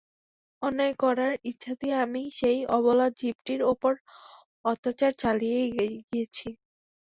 অন্যায় করার ইচ্ছাতেই আমি সেই অবলা জীবটির ওপর অত্যাচার চালিয়েই গিয়েছি।